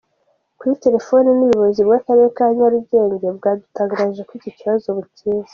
Kuri telefoni n’ubuyobozi bw’akarere ka Nyarugenge, bwadutangarije ko iki kibazo bukizi.